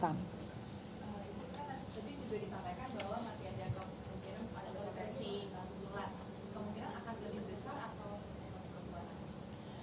kemungkinan akan lebih besar atau